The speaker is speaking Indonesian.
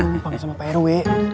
pake sama pak rw